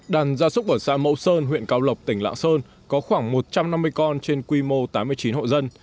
đàn gia súc ở xã mẫu sơn huyện cao lộc tỉnh lạng sơn có khoảng một trăm năm mươi con trên quy mô tám mươi chín hộ dân